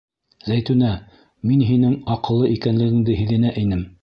Зәйтүнә, мин һинең аҡыллы икәнлегеңде һиҙенә инем.